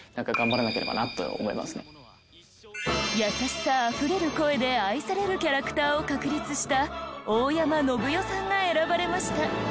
優しさあふれる声で愛されるキャラクターを確立した大山のぶ代さんが選ばれました。